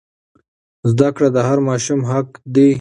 زده کړه د هر ماشوم حق دی.